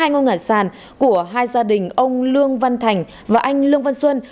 hai ngôi nhà sàn của hai gia đình ông lương văn thành và anh lương văn xuân